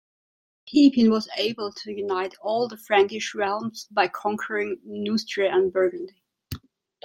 Pepin was able to unite all the Frankish realms by conquering Neustria and Burgundy.